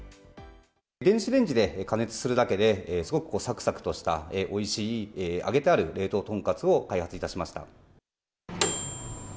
電子レンジで加熱するだけで、すごくさくさくとした、おいしい揚げてある冷凍豚カツを開発いたしました。